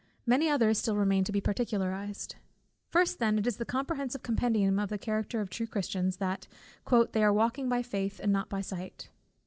Many others still remain to be particularized. First then, it is the comprehensive compendium of the character of true Christians, that "they are walking by faith, and not by sight."